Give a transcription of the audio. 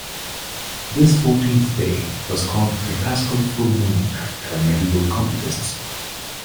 This fourteenth day was called the "paschal full moon" by medieval computists.